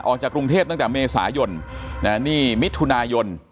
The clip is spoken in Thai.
ออกจากกรุงเทพตั้งแต่เมษายนนี่มิถุนายน